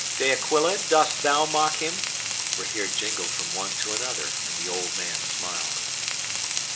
'"De Aquila, does thou mock him?" Rahere jingled from one to another, and the old man smiled.